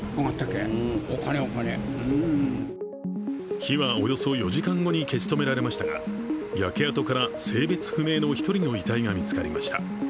火はおよそ４時間後に消し止められましたが焼け跡から性別不明の１人の遺体が見つかりました。